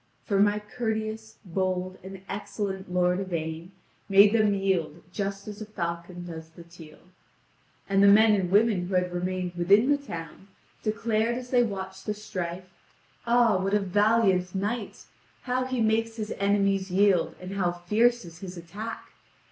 For my courteous, bold, and excellent lord Yvain made them yield just as a falcon does the teal. And the men and women who had remained within the town declared as they watched the strife: "Ah, what a valiant knight! How he makes his enemies yield, and how fierce is his attack!